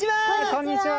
こんにちは。